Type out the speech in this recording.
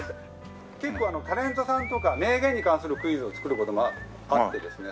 結構タレントさんとか名言に関するクイズを作る事もあってですね